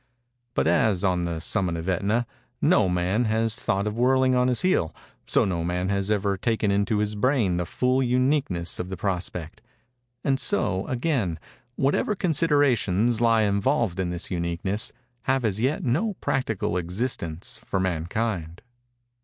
But as, on the summit of Ætna, no man has thought of whirling on his heel, so no man has ever taken into his brain the full uniqueness of the prospect; and so, again, whatever considerations lie involved in this uniqueness, have as yet no practical existence for mankind.